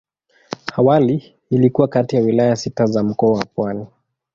Awali ilikuwa kati ya wilaya sita za Mkoa wa Pwani.